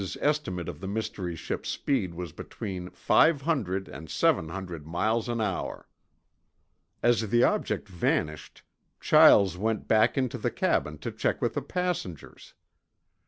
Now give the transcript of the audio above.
Chiles's estimate of the mystery ship's speed was between five hundred and seven hundred miles an hour. As the object vanished, Chiles went back into the cabin to check with the passengers.